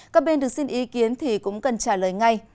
các bên được xin ý kiến thì cũng cần trả lời ngay